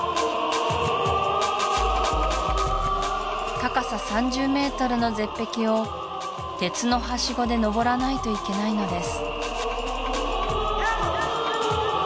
高さ３０ｍの絶壁を鉄のはしごで登らないといけないのです